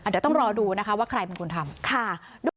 เดี๋ยวต้องรอดูนะคะว่าใครเป็นคนทำ